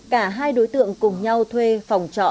cả hai đối tượng cùng nhau thuê phòng trọ